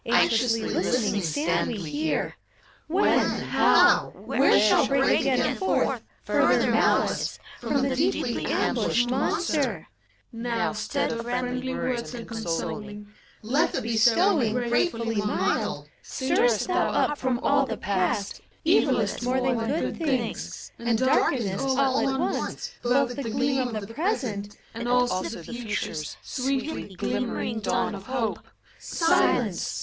Anxiously listening stand we here. Whent how? where shall break again forth 146 FAUST. Further malice From the deeply ambushed monster T Now, stead of friendly words and consoling, Lethe bestowing, gratefully mild, Stirrest thou up from all the Past EviUest more than good things, And darkenest all at once Both the gleam of the Present And also the Future's Sweetly glimmering dawn of hope! Silence!